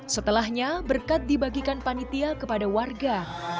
setelahnya berkat dibagikan panitia kepada warga